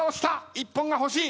一本が欲しい。